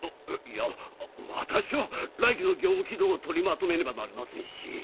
いや私は来期の業務軌道を取りまとめねばなりませんし。